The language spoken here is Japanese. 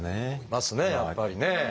いますねやっぱりね。